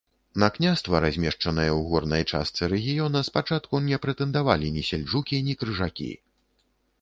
На княства, размешчанае ў горнай частцы рэгіёна, спачатку не прэтэндавалі ні сельджукі, ні крыжакі.